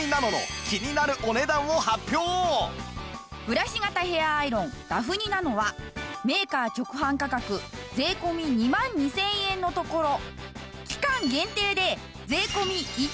ブラシ型ヘアアイロンダフニｎａｎｏはメーカー直販価格税込２万２０００円のところ期間限定で税込１万４８００円！